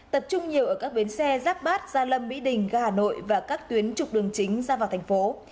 tập trung nhiều ở các bến xe giáp bát gia lâm mỹ đình ga hà nội và các tuyến trục đường chính ra vào thành phố